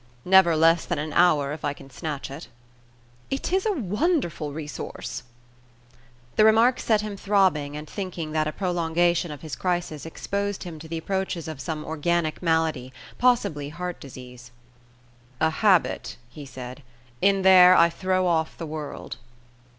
"Never less than an hour, if I can snatch it." "It is a wonderful resource!" The remark set him throbbing and thinking that a prolongation of his crisis exposed him to the approaches of some organic malady, possibly heart disease. "A habit," he said. "In there I throw off the world."